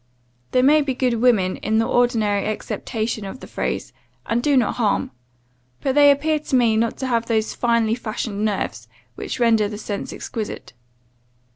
They may be good women, in the ordinary acceptation of the phrase, and do no harm; but they appear to me not to have those 'finely fashioned nerves,' which render the senses exquisite.